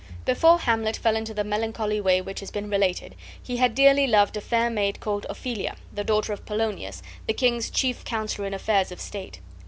Before Hamlet fell into the melancholy way which has been related he had dearly loved a fair maid called Ophelia, the daughter of Polonius, the king's chief counselor in affairs of state.